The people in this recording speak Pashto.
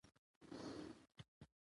موږ بايد له ړندې ژباړې څخه ډډه وکړو.